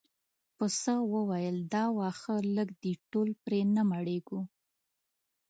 پسه وویل دا واښه لږ دي ټول پرې نه مړیږو.